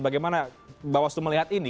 bagaimana mbak waslu melihat ini